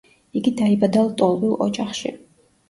იგი დაიბადა ლტოლვილ ოჯახში.